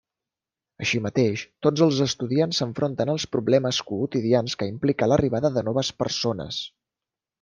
Així mateix, tots els estudiants s'enfronten als problemes quotidians que implica l'arribada de noves persones.